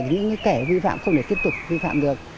những kẻ vi phạm không thể tiếp tục vi phạm được